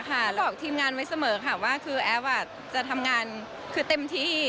บอกทีมงานไว้เสมอค่ะว่าคือแอฟจะทำงานคือเต็มที่